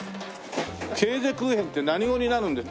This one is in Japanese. ケーゼクーヘンって何語になるんです？